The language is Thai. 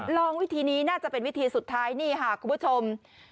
วิธีนี้น่าจะเป็นวิธีสุดท้ายนี่ค่ะคุณผู้ชม